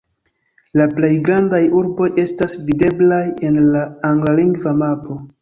La plej grandaj urboj estas videblaj en la anglalingva mapo.